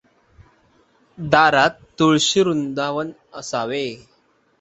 दारात तुळशी वृंदावन असावे.